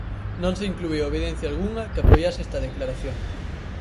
Non se incluíu evidencia algunha que apoiase esta declaración.